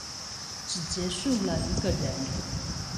只結束了一個人